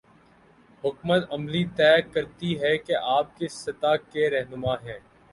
حکمت عملی طے کرتی ہے کہ آپ کس سطح کے رہنما ہیں۔